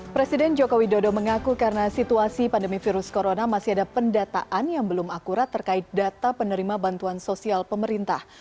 presiden jokowi dodo mengaku karena situasi pandemi virus corona masih ada pendataan yang belum akurat terkait data penerima bantuan sosial pemerintah